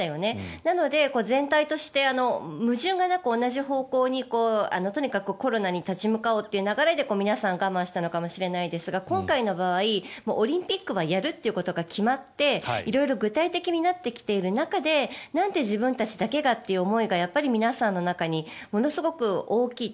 なので、全体として矛盾がなく同じ方向にとにかくコロナに立ち向かおうという流れで皆さん我慢したのかもしれないですが今回の場合、オリンピックはやるということが決まって色々、具体的になっている中でなんで自分たちだけがという思いがやっぱり皆さんの中にものすごく大きいと。